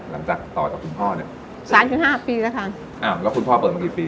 ต่อจากคุณพ่อเนี้ยสามถึงห้าปีแล้วค่ะอ้าวแล้วคุณพ่อเปิดมากี่ปี